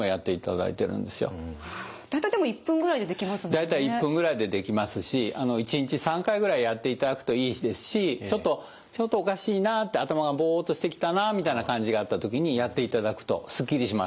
大体１分ぐらいでできますし１日３回ぐらいやっていただくといいですしちょっとおかしいな頭がボッとしてきたなみたいな感じがあった時にやっていただくとスッキリします。